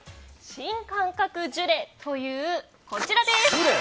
新感覚ジュレというこちらです。